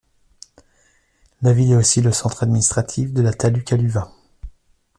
La ville est aussi le centre administratif de la taluk Aluva.